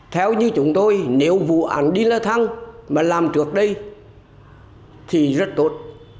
theo như chúng tôi nếu vụ ảnh đinh la thăng mà làm trước đây thì rất tốt